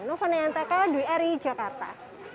novo niantaka dwi ari jakarta